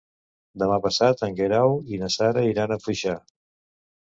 Demà passat en Guerau i na Sara iran a Foixà.